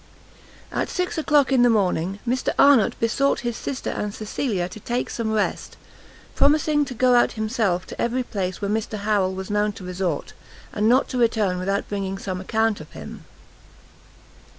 At six o'clock in the morning, Mr Arnott besought his sister and Cecilia to take some rest, promising to go out himself to every place where Mr Harrel was known to resort, and not to return without bringing some account of him.